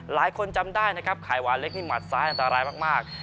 จำได้นะครับไข่หวานเล็กนี่หมัดซ้ายอันตรายมาก